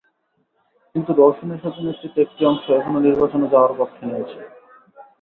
কিন্তু রওশন এরশাদের নেতৃত্বে একটি অংশ এখনো নির্বাচনে যাওয়ার পক্ষ নিয়েছে।